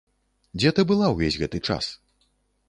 Дзе ты была ўвесь гэты час?